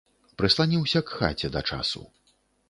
Прысланіўся к хаце да часу.